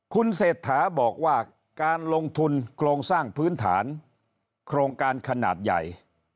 คุณเศรษฐาบอกว่าการลงทุนโครงสร้างพื้นฐานโครงการขนาดใหญ่